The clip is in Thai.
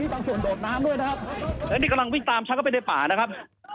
บางส่วนโดดน้ำด้วยนะครับแล้วนี่กำลังวิ่งตามชักเข้าไปในป่านะครับ